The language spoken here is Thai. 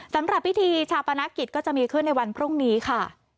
สำหรับพิธีชาปนกิจก็จะมีขึ้นในวันพรุ่งนี้ค่ะ